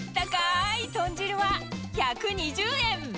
い豚汁は１２０円。